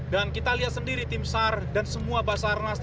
dan kita lihat sendiri tim sar dan semua basarnas